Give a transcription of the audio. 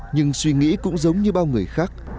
nhưng suy nghĩ cũng giống như bao người khác